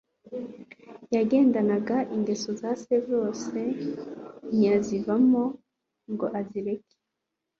yagendanaga ingeso za se Asa zose ntiyazivamo ngo azireke